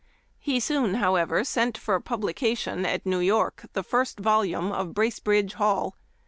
He soon, however, sent for publi cation at New York the first volume of Brace bridge Hall.